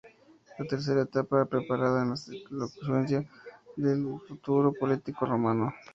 La tercera etapa preparaba en la elocuencia al futuro político romano.